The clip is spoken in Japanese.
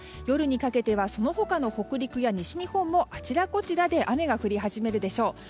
夜にかけてはその他の北陸や西日本もあちらこちらで雨が降り始めるでしょう。